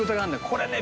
これね